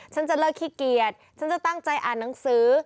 ฉันจะเลิกขี้เกียจฉันจะตั้งใจอ่านหนังสือ